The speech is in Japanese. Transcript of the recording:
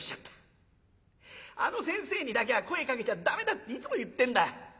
あの先生にだけは声かけちゃ駄目だっていつも言ってんだ。